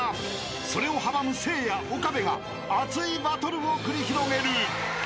それを阻むせいや岡部が熱いバトルを繰り広げる］